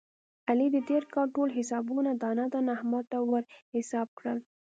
علي د تېر کال ټول حسابونه دانه دانه احمد ته ور حساب کړل.